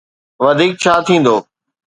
وڌيڪ ڇا ٿيندو؟